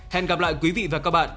hẹn gặp lại quý vị và các bạn